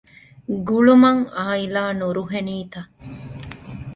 ގުޅުމަށް އާއިލާ ނުރުހެނީތަ؟